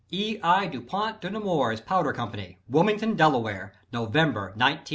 E. I. DU PONT DE NEMOURS POWDER CO. WILMINGTON, DELAWARE November, 1910 E.